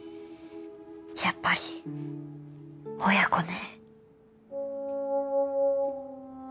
やっぱり親子ね。